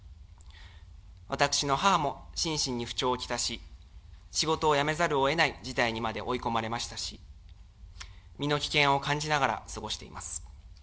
私の母も心身に不調を来し、仕事を辞めざるをえない事態にまで追い込まれましたし、身の危険を感じながら過ごしています。